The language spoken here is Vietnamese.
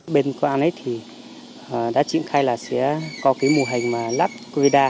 bên công an đã triển khai là sẽ có cái mô hình lắp covid một mươi chín